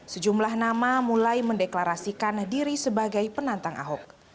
sejumlah nama mulai mendeklarasikan diri sebagai penantang ahok